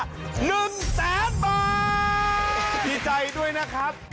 ดีใจด้วยนะครับ